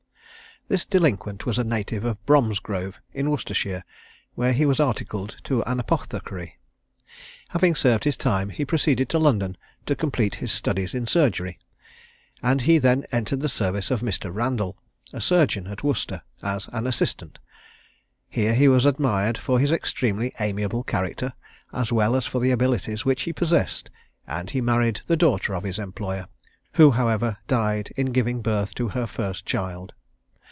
This delinquent was a native of Bromsgrove, in Worcestershire, where he was articled to an apothecary. Having served his time, he proceeded to London to complete his studies in surgery, and he then entered the service of Mr. Randall, a surgeon at Worcester, as an assistant. He was here admired for his extremely amiable character, as well as for the abilities which he possessed; and he married the daughter of his employer, who, however, died in giving birth to her first child.